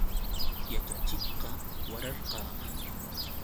Yaćhachiqqa wararqa.